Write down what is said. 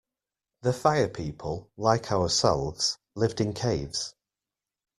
The Fire People, like ourselves, lived in caves.